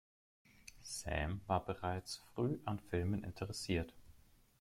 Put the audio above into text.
Sam war bereits früh an Filmen interessiert.